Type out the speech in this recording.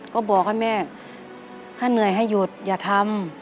ก็บอกให้แม่ถ้าเหนื่อยให้หยุดอย่าทำ